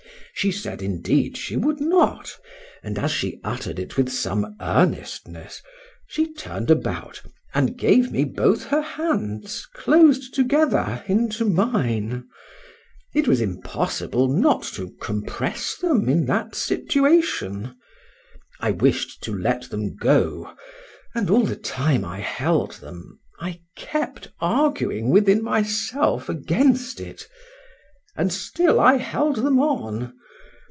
—She said, indeed she would not;—and, as she uttered it with some earnestness, she turn'd about, and gave me both her hands, closed together, into mine;—it was impossible not to compress them in that situation;—I wish'd to let them go; and all the time I held them, I kept arguing within myself against it,—and still I held them on.